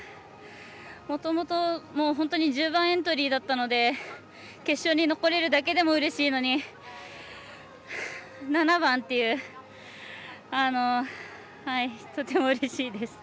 もともと１０番エントリーだったので決勝に残るだけでもうれしいのに７番っていうとてもうれしいです。